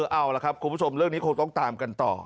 เอาล่ะครับคุณผู้ชมเรื่องนี้คงต้องตามกันต่อ